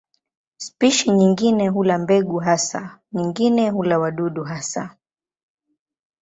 Spishi nyingine hula mbegu hasa, nyingine hula wadudu hasa.